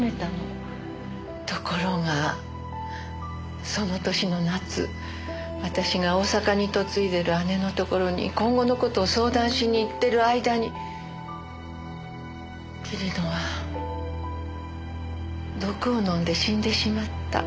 ところがその年の夏私が大阪に嫁いでる姉のところに今後の事を相談しに行ってる間に桐野は毒を飲んで死んでしまった。